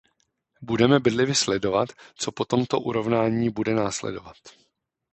Budeme bedlivě sledovat, co po tomto urovnání bude následovat.